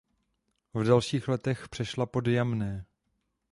V dalších letech přešla pod Jamné.